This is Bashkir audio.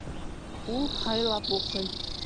Ул һайлап уҡый